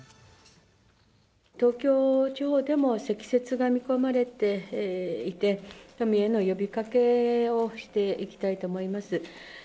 東京地方でも積雪が見込まれていて、都民への呼びかけをしていきたいと思います。